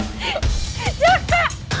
masa bapakan sih mas